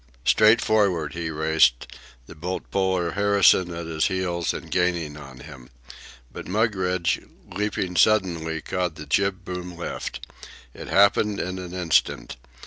Straight forward he raced, the boat puller Harrison at his heels and gaining on him. But Mugridge, leaping suddenly, caught the jib boom lift. It happened in an instant.